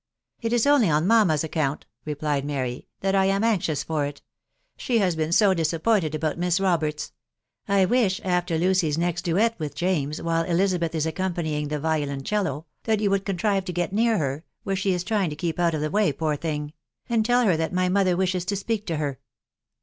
It is only on mamma's account," replied Mary, " that I am anxious for it ;•••• she has been so disappointed about Miss Roberts !.... I wish, after Lucy's next duet with Jsxaes^ while Elizabeth is accompanying the V\oVnra&&* tatt. "ys^ « 2 <« €t ) it 24& TffcB WIDOW AARNA0T* would contrive to get near her, where she is trying to keepoet of the way, poor thing !•...• and tell her that my note wishes to speak to her."